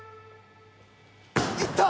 いった！